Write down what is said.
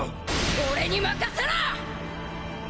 俺に任せろ！